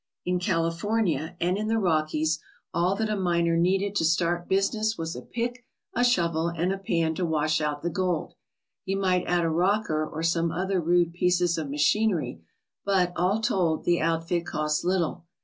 In California and in the Rockies all that a miner needed to start business was a pick, a shovel, and a pan to wash out the gold. He might add a rocker or some other rude pieces of machinery, but, all told, the outfit cost little.